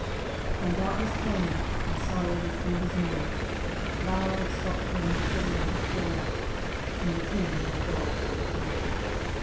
But when darkness came, and Surrey withdrew his men, the flower of Scotland's chivalry had fallen, and the king lay dead on the field.